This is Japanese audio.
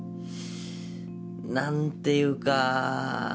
何ていうか。